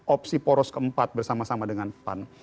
opsi poros keempat bersama sama dengan pan